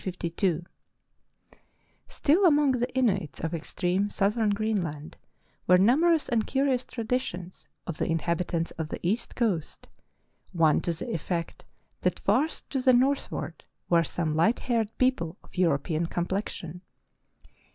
Still among the Inuits of extreme southern Green land were numerous and curious traditions of the in habitants of the east coast, one to the effect that far to the northward were some light haired people of Euro pean complexion.